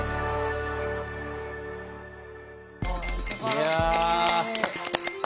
いや。